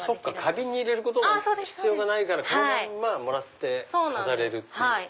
花瓶に入れる必要がないからこのまんまもらって飾れる。